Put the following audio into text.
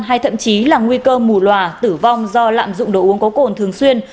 hay thậm chí là nguy cơ mù loà tử vong do lạm dụng đồ uống có cồn thường xuyên